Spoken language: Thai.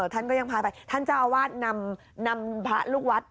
ท่านก็ยังพาไปท่านเจ้าอาวาสนำพระลูกวัด